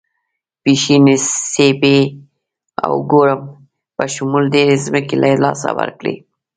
پښین، سیبۍ او کورم په شمول ډېرې ځمکې له لاسه ورکړې.